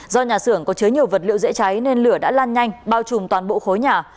do nhà xưởng có chứa nhiều vật liệu dễ cháy nên lửa đã lan nhanh bao trùm toàn bộ khối nhà